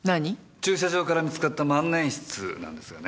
駐車場から見つかった万年筆なんですがね。